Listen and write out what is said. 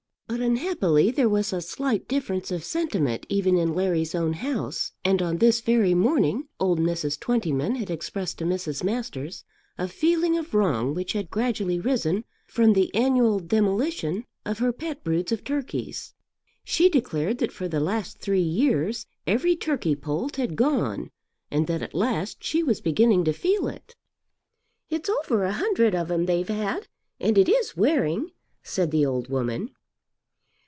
But unhappily there was a slight difference of sentiment even in Larry's own house, and on this very morning old Mrs. Twentyman had expressed to Mrs. Masters a feeling of wrong which had gradually risen from the annual demolition of her pet broods of turkeys. She declared that for the last three years every turkey poult had gone, and that at last she was beginning to feel it. "It's over a hundred of 'em they've had, and it is wearing," said the old woman.